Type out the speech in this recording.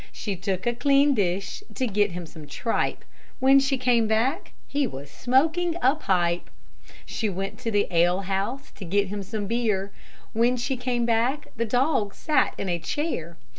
She took a clean dish To get him some tripe; When she came back He was smoking a pipe. She went to the alehouse To get him some beer; When she came back The dog sat in a chair.